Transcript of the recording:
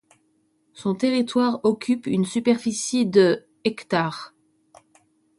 Son territoire occupe une superficie de hectares.